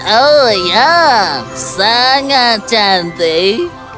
oh ya sangat cantik